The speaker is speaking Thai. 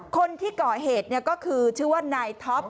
คนที่ก่อเหตุก็คือชื่อว่านายท็อป